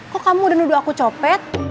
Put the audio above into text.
kok kamu udah nuduh aku copet